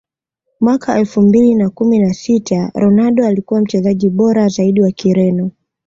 mwaka elfu mbili na kumi na sita Ronaldo alikuwa Mchezaji bora zaidi wa Kireno